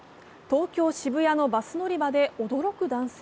東京・渋谷のバス乗り場で驚く男性。